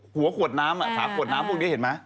หัวขวดน้ำฝาขวดน้ำพวกนี้เห็นไหม